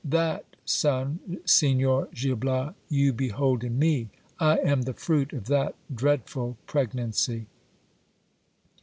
That son, Signor Gil Bias, you behold in me : I am the fruit of that dreadful pregnancy.